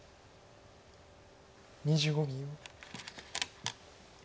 ２５秒。